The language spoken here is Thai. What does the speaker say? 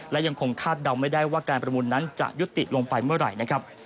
และยังคงคาดเดาไม่ได้ว่าการประมูลนั้นจะยุติลงไปเมื่อไหร่นะครับ